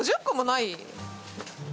５０個もない？